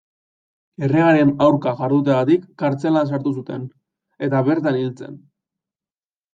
Erregearen aurka jarduteagatik, kartzelan sartu zuten, eta bertan hil zen.